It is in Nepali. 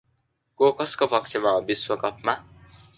को कस्को पक्षमा हो विश्वकप मा?